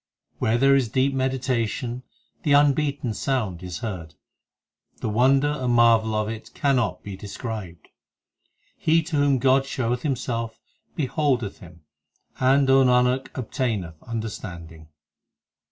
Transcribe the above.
Where there is deep meditation, the unbeaten sound is heard ; The wonder and marvel of it cannot be described. He to whom God showeth Himself, beholdeth Him, And, O Nanak, obtaineth understanding.